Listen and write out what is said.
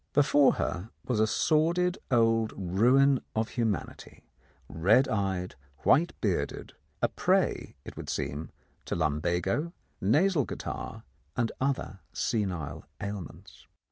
Before her was a sordid old ruin of humanity, red eyed, white bearded, a prey, it would seem, to lumbago, nasal catarrh, and other senile ailments.